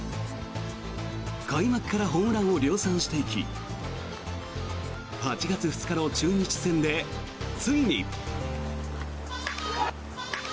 開幕からホームランを量産していき８月２日の中日戦で、ついに。